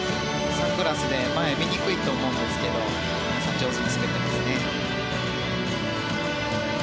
サングラスで前が見にくいと思うんですけど皆さん上手に滑ってますね。